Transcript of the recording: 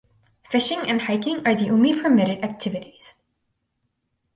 Fishing and hiking are the only permitted activities.